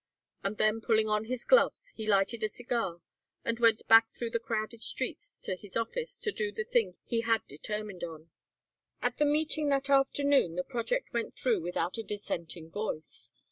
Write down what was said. And then pulling on his gloves he lighted a cigar and went back through the crowded streets to his office to do the thing he had determined on. At the meeting that afternoon the project went through without a dissenting voice.